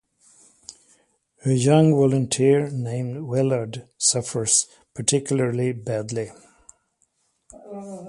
A young volunteer named Wellard suffers particularly badly.